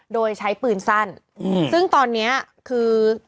โดยใช้ปืนสั้นซึ่งตอนนี้คือ